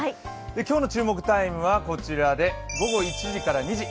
今日の注目タイムはこちらで午後１時から２時。